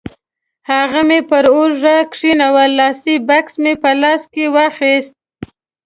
هغه مې پر اوږه کېښوول، لاسي بکس مې په لاس کې واخیست.